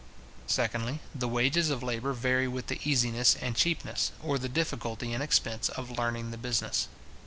Secondly, the wages of labour vary with the easiness and cheapness, or the difficulty and expense, of learning the business.